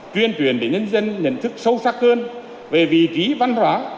tuyên truyền để nhân dân nhận thức sâu sắc hơn về vị trí văn hóa